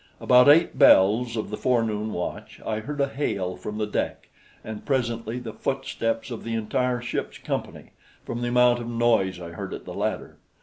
About eight bells of the forenoon watch I heard a hail from the deck, and presently the footsteps of the entire ship's company, from the amount of noise I heard at the ladder.